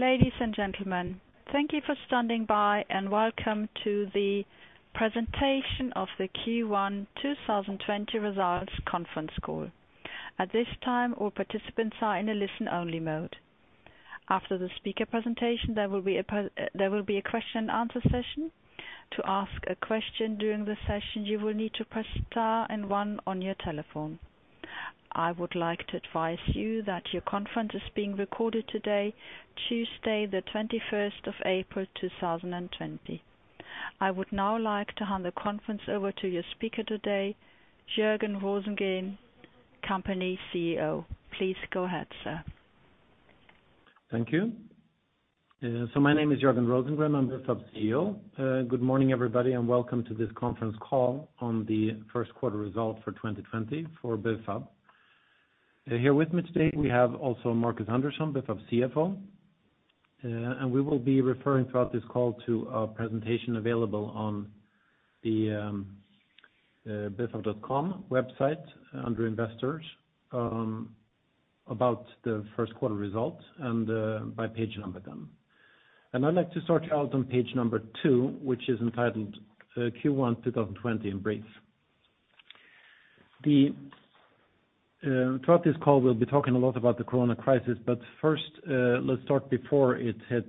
Ladies and gentlemen, thank you for standing by and welcome to the presentation of the Q1 2020 results conference call. At this time, all participants are in a listen-only mode. After the speaker presentation, there will be a question-and-answer session. To ask a question during the session, you will need to press star and one on your telephone. I would like to advise you that your conference is being recorded today, Tuesday, the 21st of April 2020. I would now like to hand the conference over to your speaker today, Jörgen Rosengren, Company CEO. Please go ahead, sir. Thank you. So my name is Jörgen Rosengren, I'm Bufab CEO. Good morning, everybody, and welcome to this conference call on the first quarter results for 2020 for Bufab. Here with me today, we have also Marcus Andersson, Bufab CFO. And we will be referring throughout this call to a presentation available on the bufab.com website under investors about the first quarter results and by page number then. And I'd like to start out on page number two, which is entitled Q1 2020 in brief. Throughout this call, we'll be talking a lot about the corona crisis, but first, let's start before it hit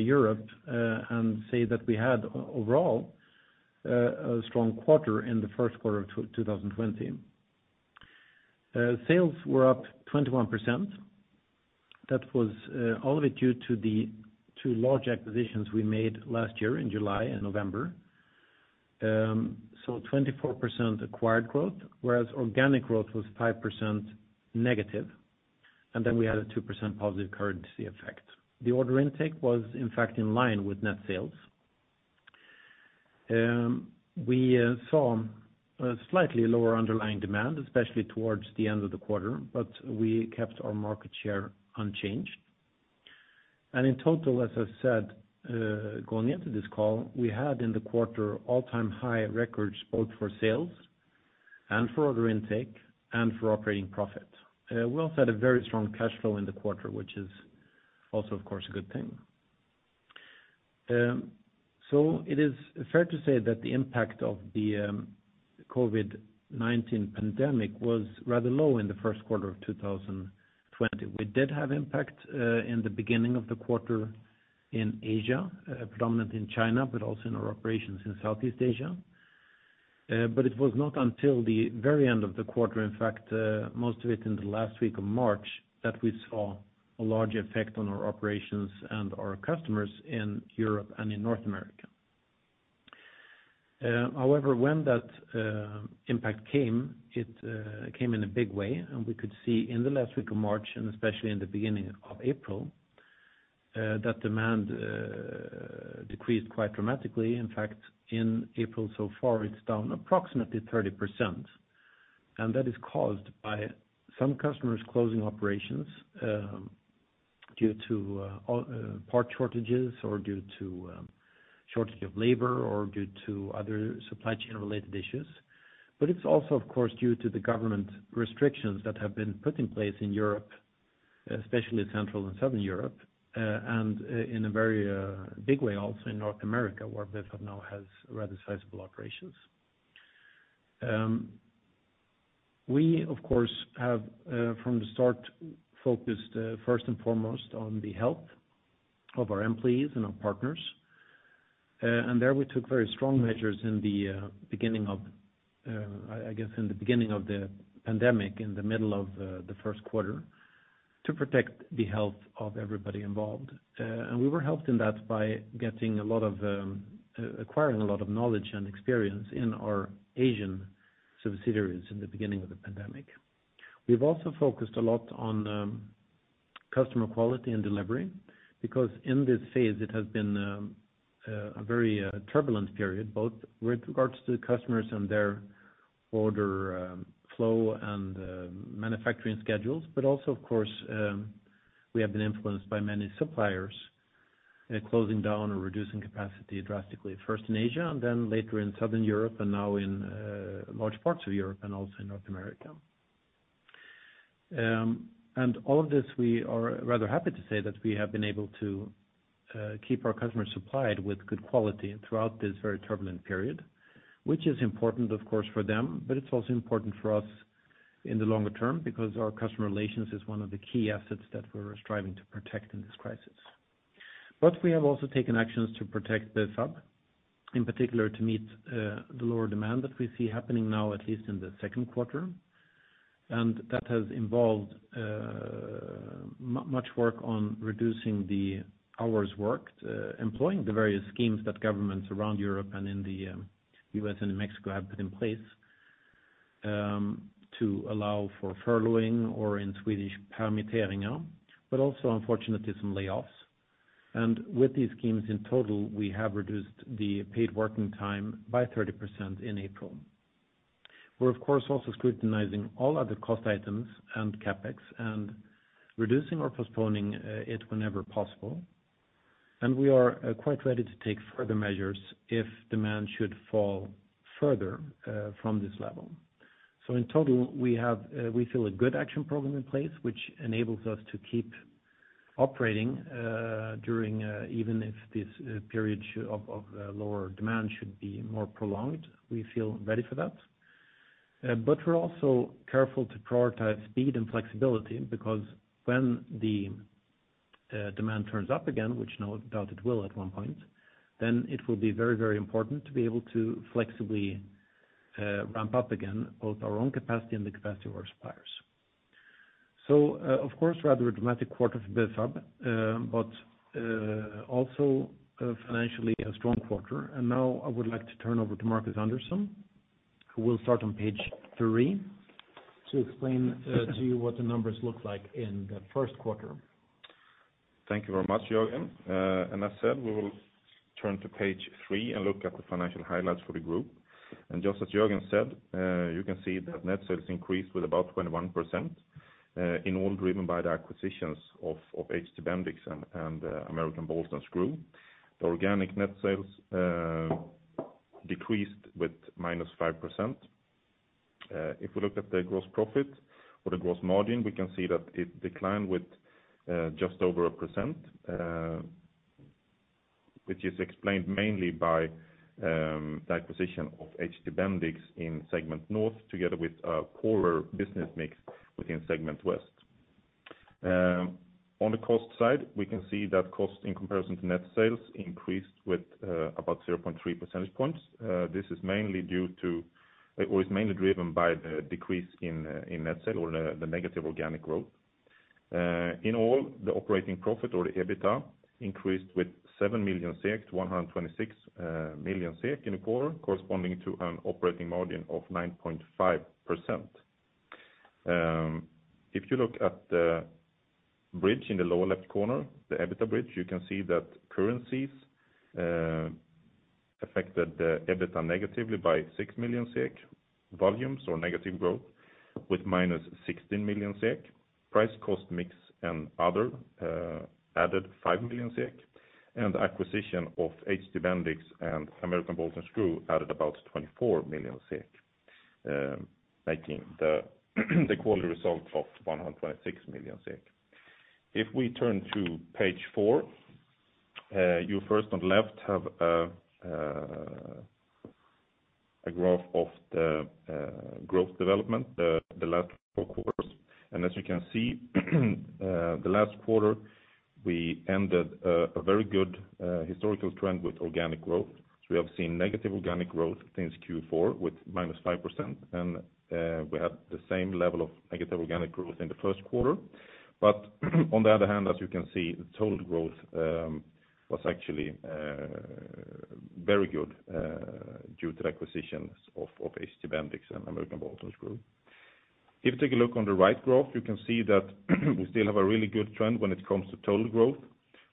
Europe and say that we had, overall, a strong quarter in the first quarter of 2020. Sales were up 21%. That was all of it due to the two large acquisitions we made last year in July and November. 24% acquired growth, whereas organic growth was 5% negative. And then we had a 2% positive currency effect. The order intake was, in fact, in line with net sales. We saw slightly lower underlying demand, especially towards the end of the quarter, but we kept our market share unchanged. And in total, as I said, going into this call, we had in the quarter all-time high records both for sales and for order intake and for operating profit. We also had a very strong cash flow in the quarter, which is also, of course, a good thing. It is fair to say that the impact of the COVID-19 pandemic was rather low in the first quarter of 2020. We did have impact in the beginning of the quarter in Asia, predominantly in China, but also in our operations in Southeast Asia. But it was not until the very end of the quarter, in fact, most of it in the last week of March, that we saw a large effect on our operations and our customers in Europe and in North America. However, when that impact came, it came in a big way. And we could see in the last week of March, and especially in the beginning of April, that demand decreased quite dramatically. In fact, in April so far, it's down approximately 30%. And that is caused by some customers closing operations due to part shortages or due to shortage of labor or due to other supply chain-related issues. But it's also, of course, due to the government restrictions that have been put in place in Europe, especially Central and Southern Europe, and in a very big way also in North America, where Bufab now has rather sizable operations. We, of course, have from the start focused first and foremost on the health of our employees and our partners, and there we took very strong measures in the beginning of the pandemic, in the middle of the first quarter, to protect the health of everybody involved, and we were helped in that by acquiring a lot of knowledge and experience in our Asian subsidiaries in the beginning of the pandemic. We've also focused a lot on customer quality and delivery because in this phase, it has been a very turbulent period, both with regards to the customers and their order flow and manufacturing schedules, but also, of course, we have been influenced by many suppliers closing down or reducing capacity drastically, first in Asia and then later in Southern Europe and now in large parts of Europe and also in North America, and all of this, we are rather happy to say that we have been able to keep our customers supplied with good quality throughout this very turbulent period, which is important, of course, for them, but it's also important for us in the longer term because our customer relations is one of the key assets that we're striving to protect in this crisis. But we have also taken actions to protect Bufab, in particular to meet the lower demand that we see happening now, at least in the second quarter. And that has involved much work on reducing the hours worked, employing the various schemes that governments around Europe and in the U.S. and in Mexico have put in place to allow for furloughing or, in Swedish, permitteringar, but also, unfortunately, some layoffs. And with these schemes in total, we have reduced the paid working time by 30% in April. We're, of course, also scrutinizing all other cost items and CapEx and reducing or postponing it whenever possible. And we are quite ready to take further measures if demand should fall further from this level. So in total, we feel a good action program in place, which enables us to keep operating during, even if this period of lower demand should be more prolonged. We feel ready for that. But we're also careful to prioritize speed and flexibility because when the demand turns up again, which no doubt it will at one point, then it will be very, very important to be able to flexibly ramp up again both our own capacity and the capacity of our suppliers. So, of course, rather a dramatic quarter for Bufab, but also financially a strong quarter. And now I would like to turn over to Marcus Andersson, who will start on page three to explain to you what the numbers look like in the first quarter. Thank you very much, Jörgen, and as said, we will turn to page three and look at the financial highlights for the group, and just as Jörgen said, you can see that net sales increased with about 21%, in all driven by the acquisitions of HT Bendix and American Bolt & Screw. The organic net sales decreased with -5%. If we look at the gross profit or the gross margin, we can see that it declined with just over 1%, which is explained mainly by the acquisition of HT Bendix in segment North together with a poorer business mix within segment West. On the cost side, we can see that cost in comparison to net sales increased with about 0.3 percentage points. This is mainly due to, or is mainly driven by the decrease in net sale or the negative organic growth. In all, the operating profit or the EBITDA increased with 7 million-126 million in the quarter, corresponding to an operating margin of 9.5%. If you look at the bridge in the lower left corner, the EBITDA bridge, you can see that currencies affected the EBITDA negatively by 6 million SEK, volumes or negative growth with minus 16 million SEK. Price-cost mix and other added 5 million SEK. And the acquisition of HT Bendix and American Bolt & Screw added about 24 million SEK, making the quarterly result of 126 million SEK. If we turn to page four, you first on the left have a graph of the growth development, the last four quarters. And as you can see, the last quarter, we ended a very good historical trend with organic growth. So we have seen negative organic growth since Q4 with -5%. We had the same level of negative organic growth in the first quarter. But on the other hand, as you can see, the total growth was actually very good due to the acquisitions of HT Bendix and American Bolt & Screw. If you take a look on the right graph, you can see that we still have a really good trend when it comes to total growth.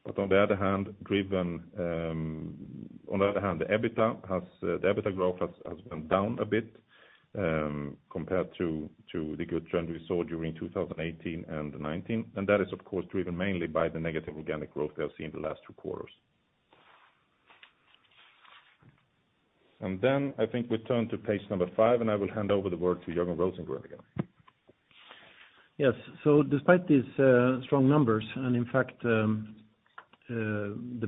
But on the other hand, the EBITDA graph has gone down a bit compared to the good trend we saw during 2018 and 2019. That is, of course, driven mainly by the negative organic growth we have seen the last two quarters. Then I think we turn to page number five, and I will hand over the word to Jörgen Rosengren again. Yes. So despite these strong numbers, and in fact, the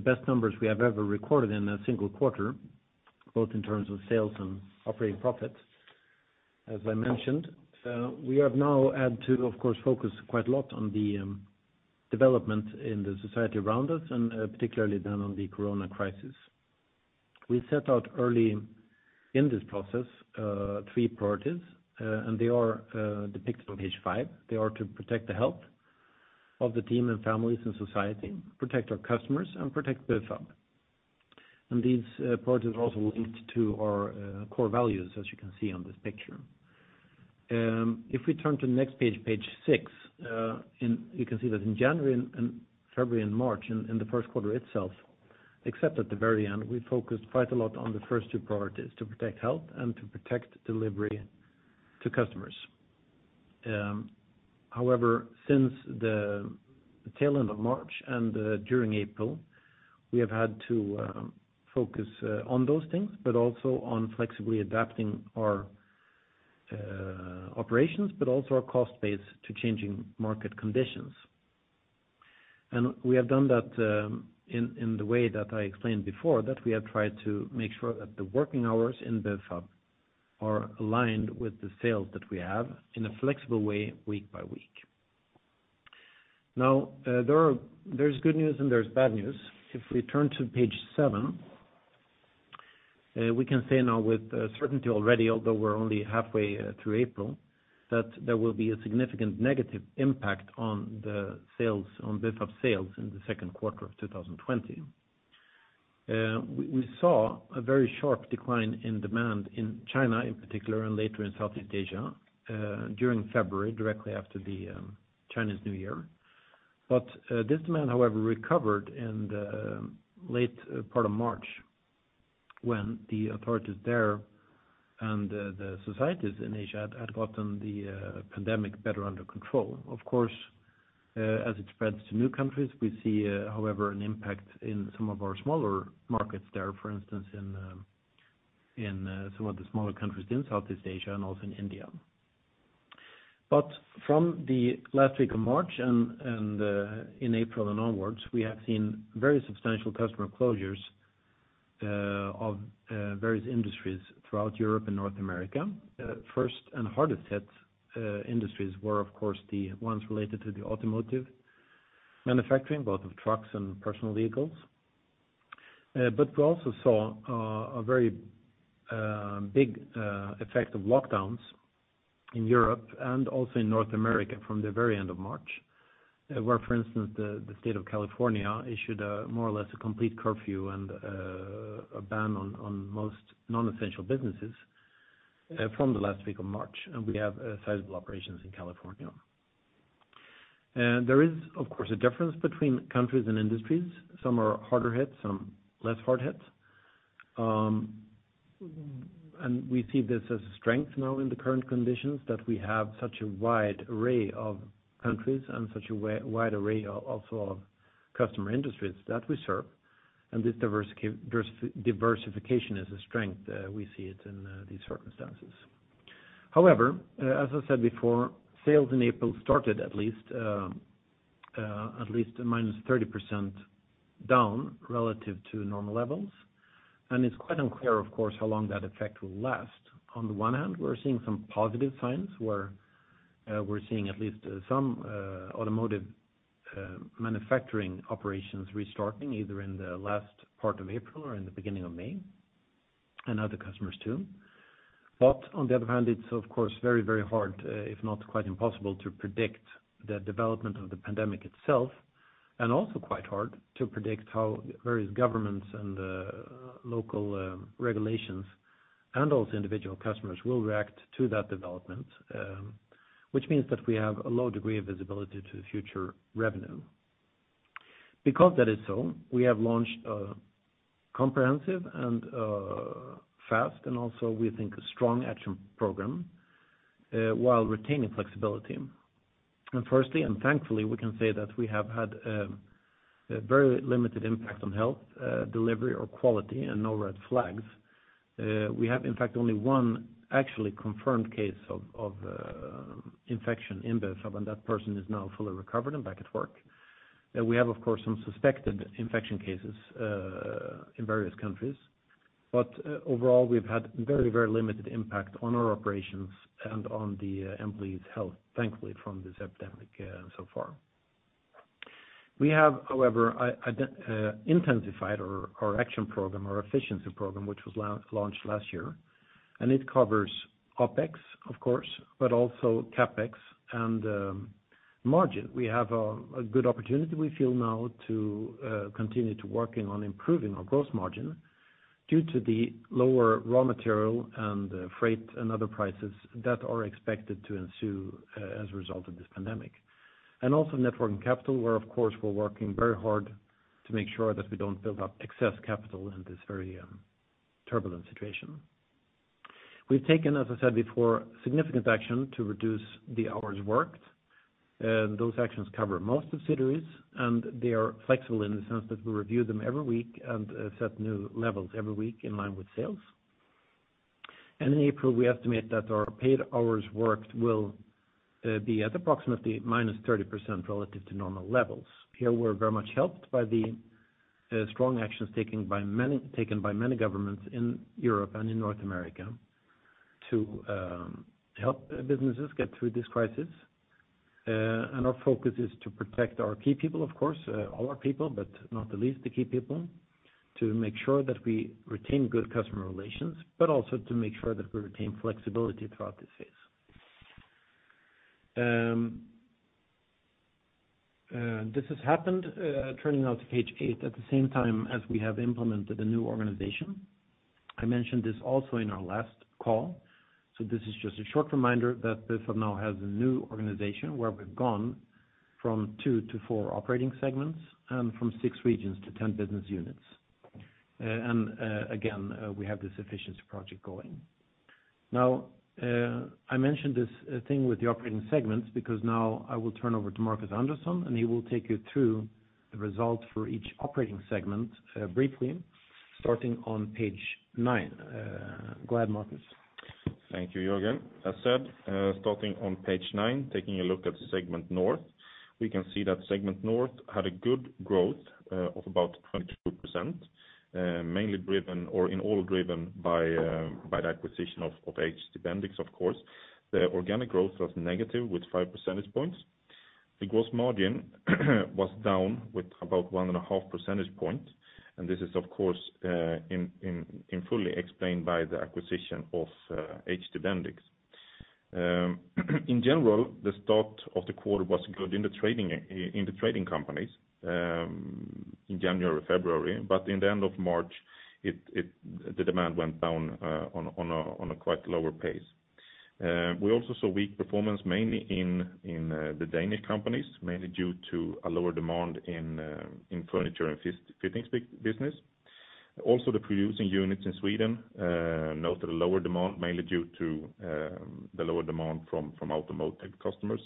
best numbers we have ever recorded in a single quarter, both in terms of sales and operating profits, as I mentioned, we have now had to, of course, focus quite a lot on the development in the society around us, and particularly then on the corona crisis. We set out early in this process three priorities, and they are depicted on page five. They are to protect the health of the team and families and society, protect our customers, and protect Bufab. And these priorities are also linked to our core values, as you can see on this picture. If we turn to the next page, page six, you can see that in January, February, and March, in the first quarter itself, except at the very end, we focused quite a lot on the first two priorities: to protect health and to protect delivery to customers. However, since the tail end of March and during April, we have had to focus on those things, but also on flexibly adapting our operations, but also our cost base to changing market conditions, and we have done that in the way that I explained before, that we have tried to make sure that the working hours in Bufab are aligned with the sales that we have in a flexible way, week by week. Now, there's good news and there's bad news. If we turn to page seven, we can say now with certainty already, although we're only halfway through April, that there will be a significant negative impact on the sales, on Bufab's sales in the second quarter of 2020. We saw a very sharp decline in demand in China, in particular, and later in Southeast Asia during February, directly after the Chinese New Year. But this demand, however, recovered in the late part of March when the authorities there and the societies in Asia had gotten the pandemic better under control. Of course, as it spreads to new countries, we see, however, an impact in some of our smaller markets there, for instance, in some of the smaller countries in Southeast Asia and also in India. But from the last week of March and in April and onwards, we have seen very substantial customer closures of various industries throughout Europe and North America. First and hardest hit industries were, of course, the ones related to the automotive manufacturing, both of trucks and personal vehicles. But we also saw a very big effect of lockdowns in Europe and also in North America from the very end of March, where, for instance, the state of California issued more or less a complete curfew and a ban on most non-essential businesses from the last week of March. And we have sizable operations in California. There is, of course, a difference between countries and industries. Some are harder hit, some less hard hit. We see this as a strength now in the current conditions that we have such a wide array of countries and such a wide array also of customer industries that we serve. This diversification is a strength. We see it in these circumstances. However, as I said before, sales in April started at least -30% down relative to normal levels. It's quite unclear, of course, how long that effect will last. On the one hand, we're seeing some positive signs where we're seeing at least some automotive manufacturing operations restarting either in the last part of April or in the beginning of May, and other customers too. But on the other hand, it's, of course, very, very hard, if not quite impossible, to predict the development of the pandemic itself, and also quite hard to predict how various governments and local regulations and also individual customers will react to that development, which means that we have a low degree of visibility to future revenue. Because that is so, we have launched a comprehensive and fast, and also we think, a strong action program while retaining flexibility. And firstly, and thankfully, we can say that we have had a very limited impact on health delivery or quality and no red flags. We have, in fact, only one actually confirmed case of infection in Bufab, and that person is now fully recovered and back at work. We have, of course, some suspected infection cases in various countries. But overall, we've had very, very limited impact on our operations and on the employees' health, thankfully, from this epidemic so far. We have, however, intensified our action program, our efficiency program, which was launched last year, and it covers OpEx, of course, but also CapEx and margin. We have a good opportunity, we feel now, to continue to work on improving our gross margin due to the lower raw material and freight and other prices that are expected to ensue as a result of this pandemic, and also net working capital, where, of course, we're working very hard to make sure that we don't build up excess capital in this very turbulent situation. We've taken, as I said before, significant action to reduce the hours worked. Those actions cover most subsidiaries, and they are flexible in the sense that we review them every week and set new levels every week in line with sales. And in April, we estimate that our paid hours worked will be at approximately -30% relative to normal levels. Here, we're very much helped by the strong actions taken by many governments in Europe and in North America to help businesses get through this crisis. And our focus is to protect our key people, of course, all our people, but not the least the key people, to make sure that we retain good customer relations, but also to make sure that we retain flexibility throughout this phase. This has happened, turning now to page eight, at the same time as we have implemented a new organization. I mentioned this also in our last call. So this is just a short reminder that Bufab now has a new organization where we've gone from two to four operating segments and from six regions to 10 business units. And again, we have this efficiency project going. Now, I mentioned this thing with the operating segments because now I will turn over to Marcus Andersson, and he will take you through the results for each operating segment briefly, starting on page nine. Go ahead, Marcus. Thank you, Jörgen. As said, starting on page nine, taking a look at segment North, we can see that segment North had a good growth of about 22%, mainly driven or in all driven by the acquisition of HT Bendix, of course. The organic growth was negative with five percentage points, and this is, of course, fully explained by the acquisition of HT Bendix. In general, the start of the quarter was good in the trading companies in January or February, but in the end of March, the demand went down on a quite lower pace. We also saw weak performance mainly in the Danish companies, mainly due to a lower demand in furniture and fittings business. Also, the producing units in Sweden noted a lower demand, mainly due to the lower demand from automotive customers.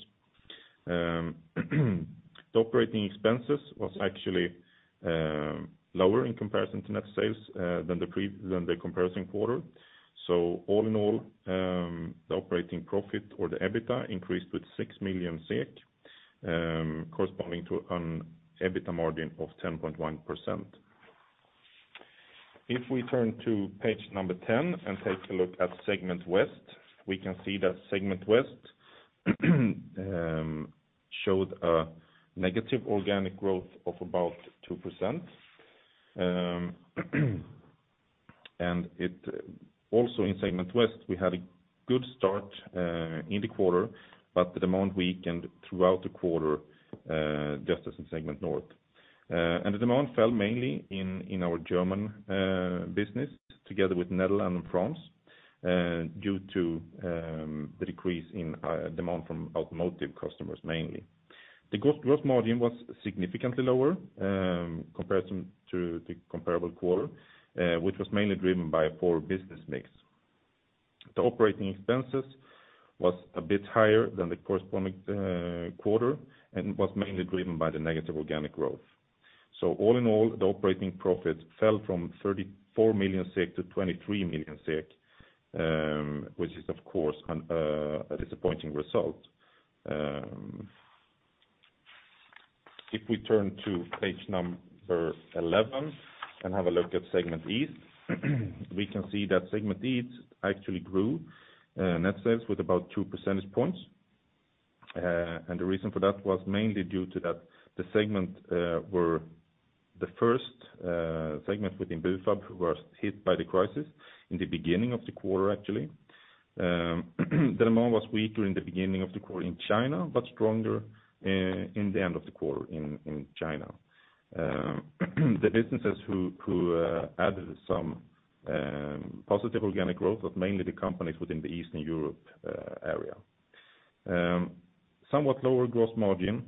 The operating expenses were actually lower in comparison to net sales than the comparison quarter. So all in all, the operating profit or the EBITDA increased with 6 million SEK, corresponding to an EBITDA margin of 10.1%. If we turn to page number 10 and take a look at segment West, we can see that segment West showed a negative organic growth of about 2%. And also in segment West, we had a good start in the quarter, but the demand weakened throughout the quarter, just as in segment North. And the demand fell mainly in our German business together with Netherlands and France due to the decrease in demand from automotive customers mainly. The gross margin was significantly lower compared to the comparable quarter, which was mainly driven by a poor business mix. The operating expenses were a bit higher than the corresponding quarter and were mainly driven by the negative organic growth, so all in all, the operating profit fell from 34 million SEK to 23 million SEK, which is, of course, a disappointing result. If we turn to page 11 and have a look at Segment East, we can see that Segment East actually grew net sales with about two percentage points, and the reason for that was mainly due to that the segment were the first segments within Bufab were hit by the crisis in the beginning of the quarter, actually. The demand was weaker in the beginning of the quarter in China, but stronger in the end of the quarter in China. The businesses who added some positive organic growth were mainly the companies within the Eastern Europe area. Somewhat lower gross margin,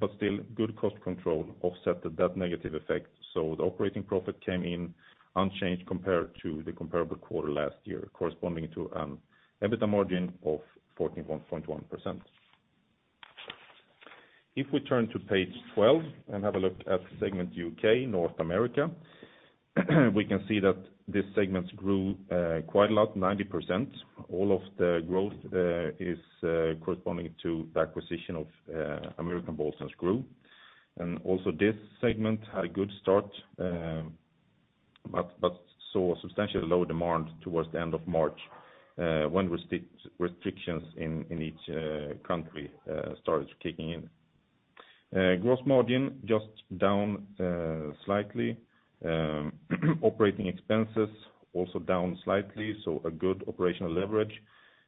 but still good cost control offset that negative effect, so the operating profit came in unchanged compared to the comparable quarter last year, corresponding to an EBITDA margin of 14.1%. If we turn to page 12 and have a look at segment UK, North America, we can see that this segment grew quite a lot, 90%. All of the growth, corresponding to the acquisition of American Bolt & Screw and also this segment had a good start, but saw substantially lower demand towards the end of March when restrictions in each country started kicking in. Gross margin just down slightly. Operating expenses also down slightly, so a good operational leverage.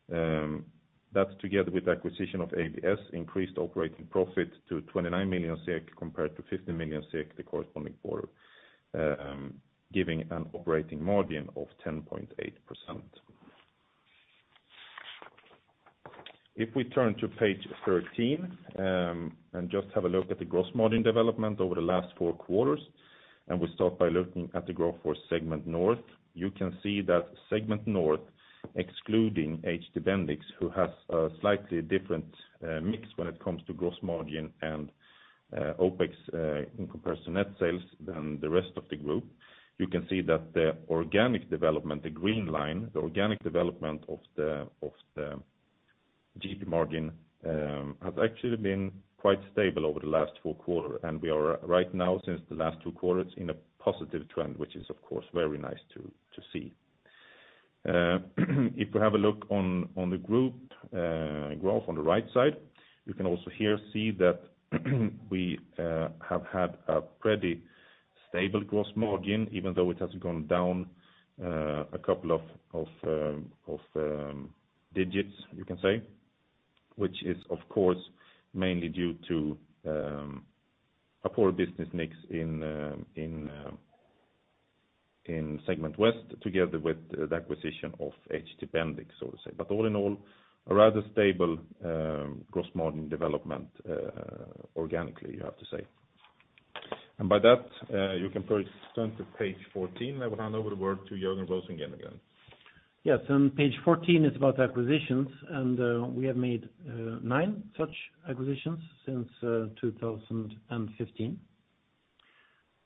That, together with the acquisition of ABS, increased operating profit to 29 million compared to 15 million, the corresponding quarter, giving an operating margin of 10.8%. If we turn to page 13 and just have a look at the gross margin development over the last four quarters, and we start by looking at the growth for segment North, you can see that segment North, excluding HT Bendix, who has a slightly different mix when it comes to gross margin and OpEx in comparison to net sales than the rest of the group, you can see that the organic development, the green line, the organic development of the GP margin has actually been quite stable over the last four quarters, and we are right now, since the last two quarters, in a positive trend, which is, of course, very nice to see. If we have a look on the group graph on the right side, you can also here see that we have had a pretty stable gross margin, even though it has gone down a couple of digits, you can say, which is, of course, mainly due to a poor business mix in segment West together with the acquisition of HT Bendix, so to say. But all in all, a rather stable gross margin development organically, you have to say. And by that, you can turn to page 14. I will hand over the word to Jörgen Rosengren, again. Yes. And page 14 is about acquisitions. And we have made nine such acquisitions since 2015,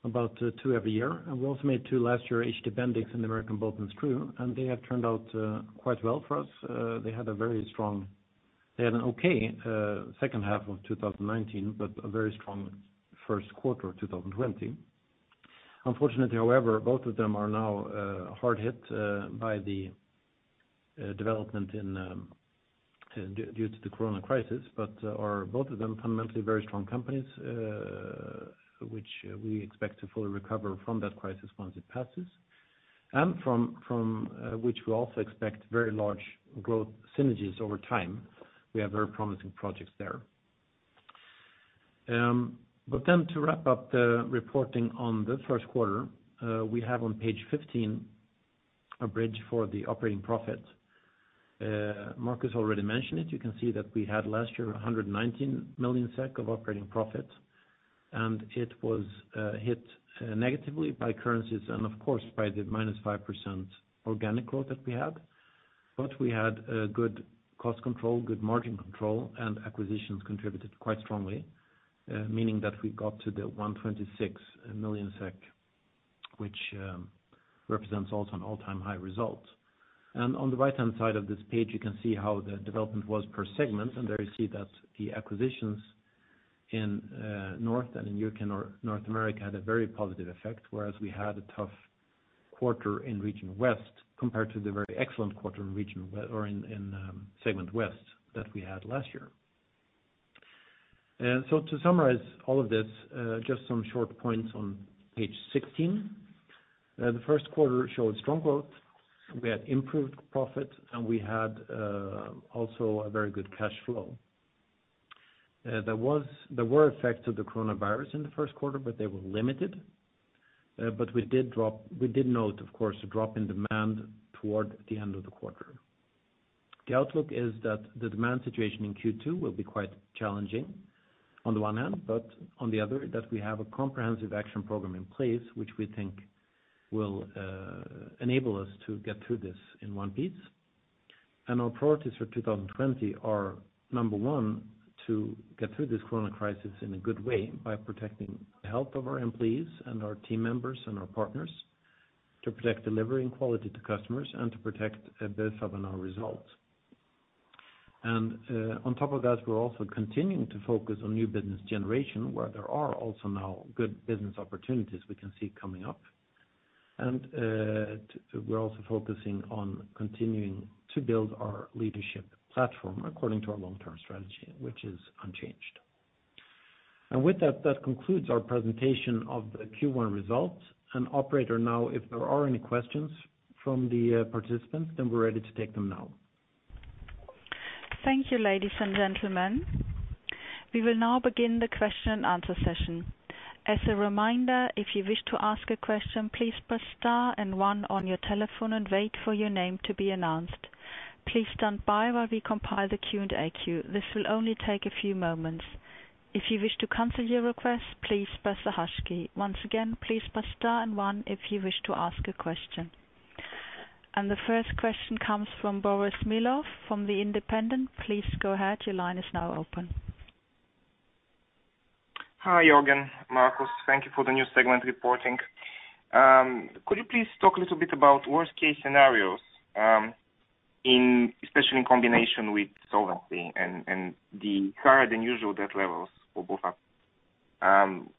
about two every year. And we also made two last year, HT Bendix and American Bolt & Screw. And they have turned out quite well for us. They had an okay second half of 2019, but a very strong first quarter of 2020. Unfortunately, however, both of them are now hard hit by the development due to the corona crisis, but are both of them fundamentally very strong companies, which we expect to fully recover from that crisis once it passes, and from which we also expect very large growth synergies over time. We have very promising projects there. But then to wrap up the reporting on the first quarter, we have on page 15 a bridge for the operating profit. Marcus already mentioned it. You can see that we had last year 119 million SEK of operating profit, and it was hit negatively by currencies and, of course, by the -5% organic growth that we had, but we had good cost control, good margin control, and acquisitions contributed quite strongly, meaning that we got to the 126 million SEK, which represents also an all-time high result, and on the right-hand side of this page, you can see how the development was per segment, and there you see that the acquisitions in North and in North America had a very positive effect, whereas we had a tough quarter in region West compared to the very excellent quarter in region or in segment West that we had last year, so to summarize all of this, just some short points on page 16. The first quarter showed strong growth. We had improved profit, and we had also a very good cash flow. There were effects of the coronavirus in the first quarter, but they were limited. But we did note, of course, a drop in demand toward the end of the quarter. The outlook is that the demand situation in Q2 will be quite challenging on the one hand, but on the other, that we have a comprehensive action program in place, which we think will enable us to get through this in one piece. And our priorities for 2020 are, number one, to get through this corona crisis in a good way by protecting the health of our employees and our team members and our partners, to protect delivering quality to customers, and to protect Bufab and our results. And on top of that, we're also continuing to focus on new business generation, where there are also now good business opportunities we can see coming up. And we're also focusing on continuing to build our leadership platform according to our long-term strategy, which is unchanged. And with that, that concludes our presentation of the Q1 results. And operator, now, if there are any questions from the participants, then we're ready to take them now. Thank you, ladies and gentlemen. We will now begin the question and answer session. As a reminder, if you wish to ask a question, please press star and one on your telephone and wait for your name to be announced. Please stand by while we compile the Q&A queue. This will only take a few moments. If you wish to cancel your request, please press the hash key. Once again, please press star and one if you wish to ask a question. And the first question comes from Boris Milov from The Independent. Please go ahead. Your line is now open. Hi, Jörgen. Marcus, thank you for the new segment reporting. Could you please talk a little bit about worst-case scenarios, especially in combination with solvency and the higher-than-usual debt levels for Bufab?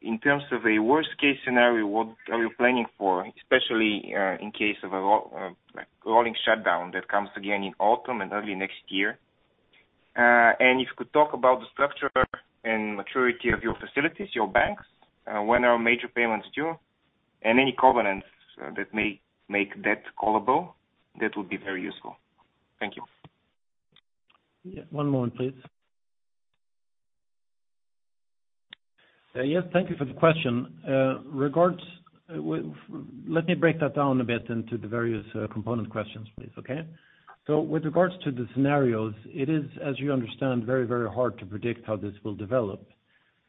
In terms of a worst-case scenario, what are you planning for, especially in case of a rolling shutdown that comes again in autumn and early next year? And if you could talk about the structure and maturity of your facilities, your banks, when are major payments due, and any covenants that may make debt callable, that would be very useful. Thank you. Yeah. One moment, please. Yes. Thank you for the question. Let me break that down a bit into the various component questions, please, okay? So with regards to the scenarios, it is, as you understand, very, very hard to predict how this will develop.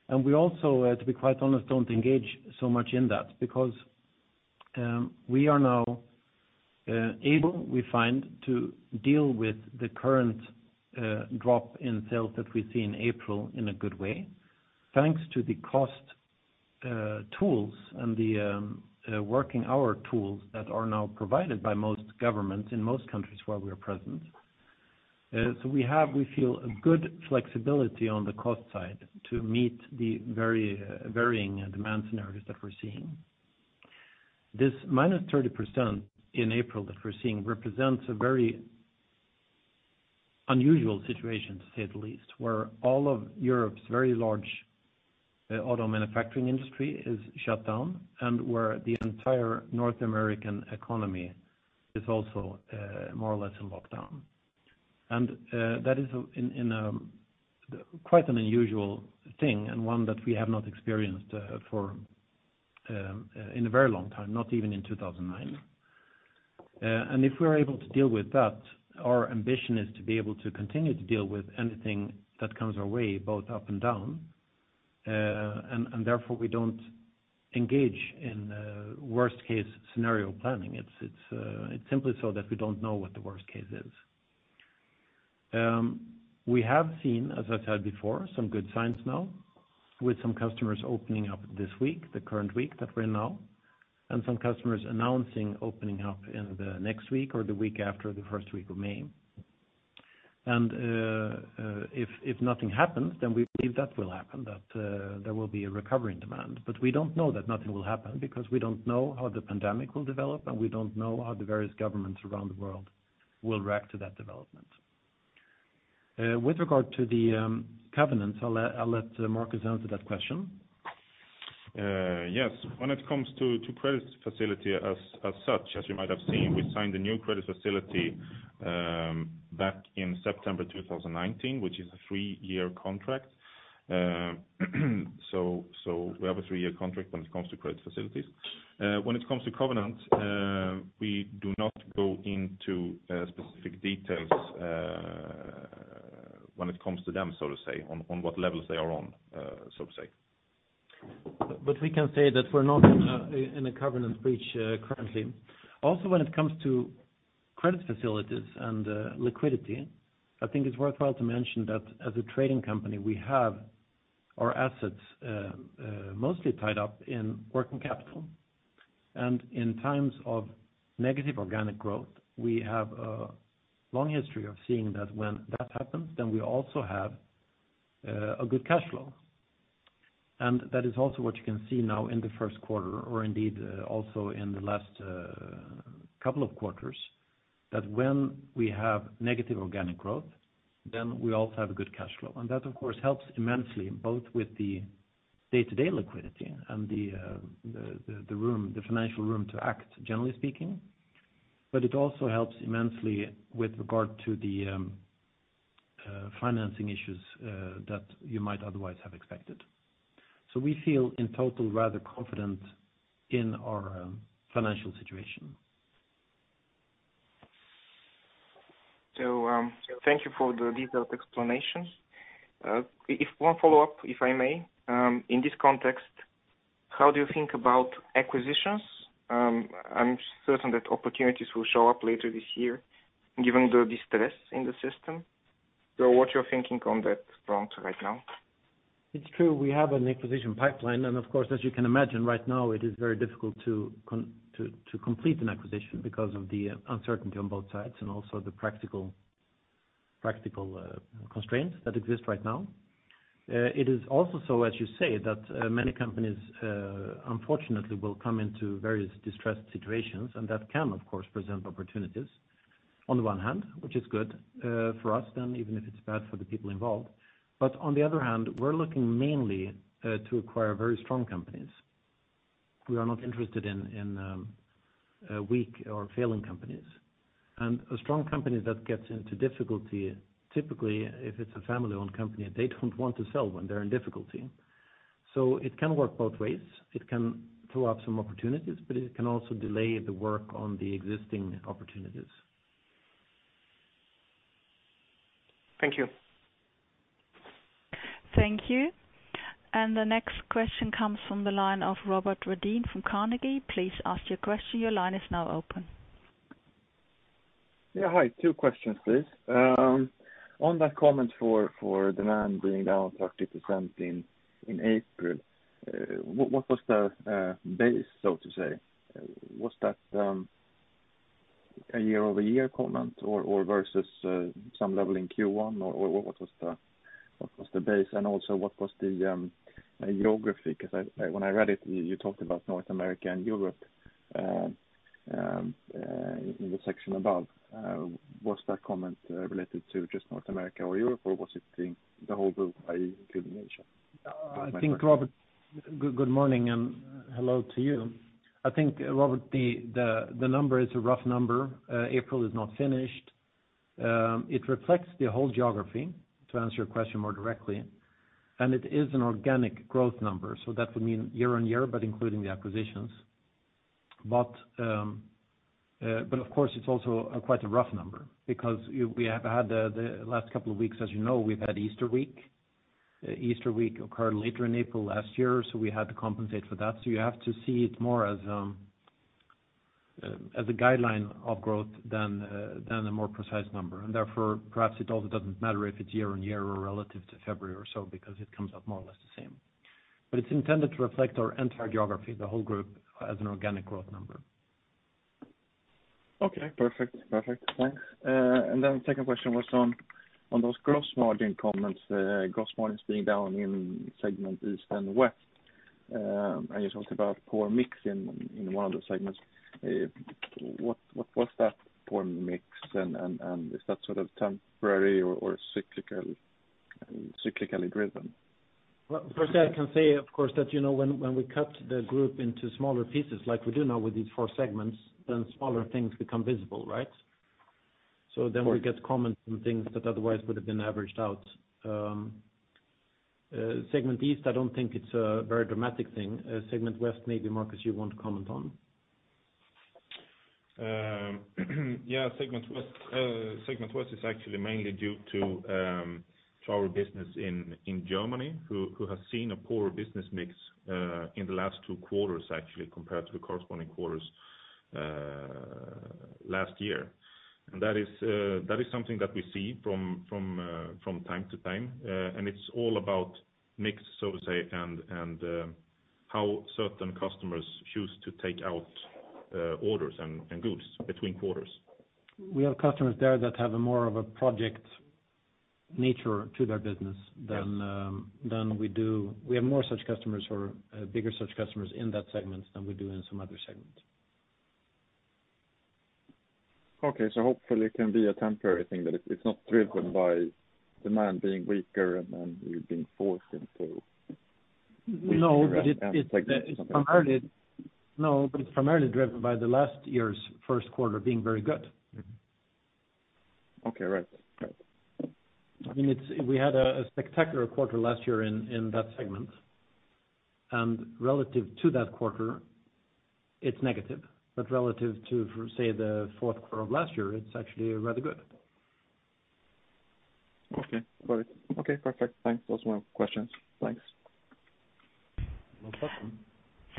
And we also, to be quite honest, don't engage so much in that because we are now able, we find, to deal with the current drop in sales that we see in April in a good way, thanks to the cost tools and the working-hour tools that are now provided by most governments in most countries where we are present. So we feel a good flexibility on the cost side to meet the very varying demand scenarios that we're seeing. This -30% in April that we're seeing represents a very unusual situation, to say the least, where all of Europe's very large auto manufacturing industry is shut down and where the entire North American economy is also more or less in lockdown, and that is quite an unusual thing and one that we have not experienced in a very long time, not even in 2009, and if we're able to deal with that, our ambition is to be able to continue to deal with anything that comes our way, both up and down, and therefore, we don't engage in worst-case scenario planning. It's simply so that we don't know what the worst case is. We have seen, as I said before, some good signs now, with some customers opening up this week, the current week that we're in now, and some customers announcing opening up in the next week or the week after the first week of May. And if nothing happens, then we believe that will happen, that there will be a recovery in demand. But we don't know that nothing will happen because we don't know how the pandemic will develop, and we don't know how the various governments around the world will react to that development. With regard to the covenants, I'll let Marcus answer that question. Yes. When it comes to credit facility as such, as you might have seen, we signed a new credit facility back in September 2019, which is a three-year contract. So we have a three-year contract when it comes to credit facilities. When it comes to covenants, we do not go into specific details when it comes to them, so to say, on what levels they are on, so to say. But we can say that we're not in a covenant breach currently. Also, when it comes to credit facilities and liquidity, I think it's worthwhile to mention that as a trading company, we have our assets mostly tied up in working capital. And in times of negative organic growth, we have a long history of seeing that when that happens, then we also have a good cash flow. And that is also what you can see now in the first quarter, or indeed also in the last couple of quarters, that when we have negative organic growth, then we also have a good cash flow. And that, of course, helps immensely both with the day-to-day liquidity and the financial room to act, generally speaking. But it also helps immensely with regard to the financing issues that you might otherwise have expected. We feel in total rather confident in our financial situation. So thank you for the detailed explanations. One follow-up, if I may. In this context, how do you think about acquisitions? I'm certain that opportunities will show up later this year, given the distress in the system. So what you're thinking on that front right now? It's true. We have an acquisition pipeline. And of course, as you can imagine, right now, it is very difficult to complete an acquisition because of the uncertainty on both sides and also the practical constraints that exist right now. It is also so, as you say, that many companies, unfortunately, will come into various distressed situations. And that can, of course, present opportunities on the one hand, which is good for us then, even if it's bad for the people involved. But on the other hand, we're looking mainly to acquire very strong companies. We are not interested in weak or failing companies. And a strong company that gets into difficulty, typically, if it's a family-owned company, they don't want to sell when they're in difficulty. So it can work both ways. It can throw up some opportunities, but it can also delay the work on the existing opportunities. Thank you. Thank you. And the next question comes from the line of Robert Redin from Carnegie. Please ask your question. Your line is now open. Yeah. Hi. Two questions, please. On that comment for demand being down 30% in April, what was the base, so to say? Was that a year-over-year comment or versus some level in Q1? Or what was the base? And also, what was the geography? Because when I read it, you talked about North America and Europe in the section above. Was that comment related to just North America or Europe, or was it the whole group, including Asia? I think, Robert, good morning and hello to you. I think, Robert, the number is a rough number. April is not finished. It reflects the whole geography, to answer your question more directly, and it is an organic growth number, so that would mean year-on-year, but including the acquisitions, but of course it's also quite a rough number because we have had the last couple of weeks, as you know, we've had Easter week. Easter week occurred later in April last year, so we had to compensate for that, so you have to see it more as a guideline of growth than a more precise number, and therefore, perhaps it also doesn't matter if it's year-on-year or relative to February or so because it comes out more or less the same, but it's intended to reflect our entire geography, the whole group, as an organic growth number. Okay. Perfect. Perfect. Thanks. And then the second question was on those gross margin comments, gross margins being down in segment East and West. And you talked about poor mix in one of the segments. What was that poor mix? And is that sort of temporary or cyclically driven? Well, first, I can say, of course, that when we cut the group into smaller pieces, like we do now with these four segments, then smaller things become visible, right? So then we get comments on things that otherwise would have been averaged out. Segment East, I don't think it's a very dramatic thing. Segment West, maybe, Marcus, you want to comment on? Yeah. Segment West is actually mainly due to our business in Germany who has seen a poor business mix in the last two quarters, actually, compared to the corresponding quarters last year, and that is something that we see from time to time, and it's all about mix, so to say, and how certain customers choose to take out orders and goods between quarters. We have customers there that have more of a project nature to their business than we do. We have more such customers or bigger such customers in that segment than we do in some other segments. Okay, so hopefully, it can be a temporary thing that it's not driven by demand being weaker and then you're being forced into something else. No. It's primarily driven by the last year's first quarter being very good. Okay. Right. Right. I mean, we had a spectacular quarter last year in that segment. And relative to that quarter, it's negative. But relative to, say, the fourth quarter of last year, it's actually rather good. Okay. Got it. Okay. Perfect. Thanks. Those were my questions. Thanks. No problem.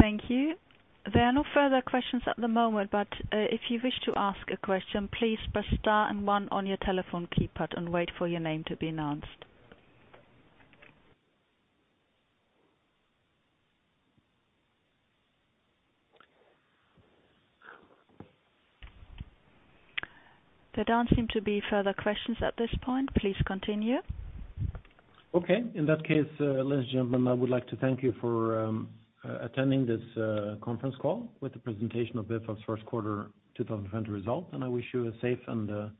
Thank you. There are no further questions at the moment. But if you wish to ask a question, please press star and one on your telephone keypad and wait for your name to be announced. There don't seem to be further questions at this point. Please continue. Okay. In that case, ladies and gentlemen, I would like to thank you for attending this conference call with the presentation of Bufab's first quarter 2020 result, and I wish you a safe and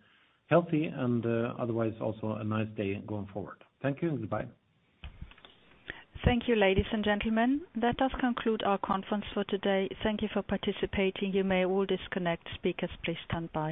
healthy and otherwise also a nice day going forward. Thank you and goodbye. Thank you, ladies and gentlemen. That does conclude our conference for today. Thank you for participating. You may all disconnect. Speakers, please stand by.